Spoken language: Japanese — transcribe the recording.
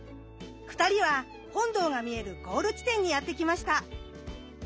２人は本堂が見えるゴール地点にやって来ました。